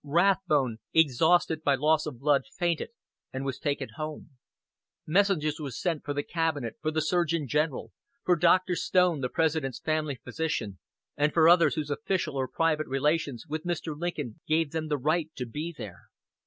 Rathbone, exhausted by loss of blood, fainted, and was taken home. Messengers were sent for the cabinet, for the Surgeon General, for Dr. Stone the President's family physician, and for others whose official or private relations with Mr. Lincoln gave them the right to be there.